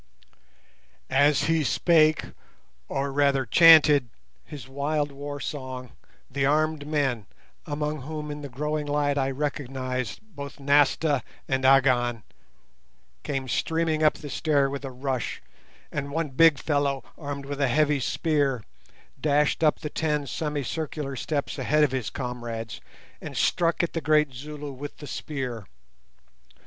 As he spake, or rather chanted, his wild war song, the armed men, among whom in the growing light I recognized both Nasta and Agon, came streaming up the stair with a rush, and one big fellow, armed with a heavy spear, dashed up the ten semicircular steps ahead of his comrades and struck at the great Zulu with the spear.